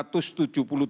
kita tahu bahwa